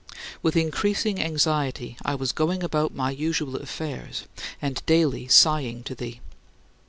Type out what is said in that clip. With increasing anxiety I was going about my usual affairs, and daily sighing to thee.